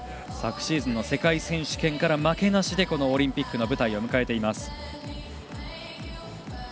昨シーズンの世界選手権から負けなしでこのオリンピックの舞台を迎えています。